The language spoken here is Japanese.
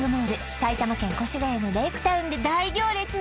埼玉県越谷のレイクタウンで大行列の